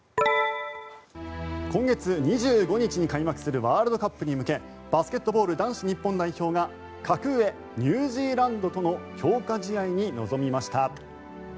今月２５日に開幕するワールドカップに向けバスケットボール男子日本代表が格上ニュージーランドとの強化試合に臨みました。